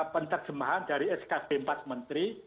penerjemahan dari skb empat menteri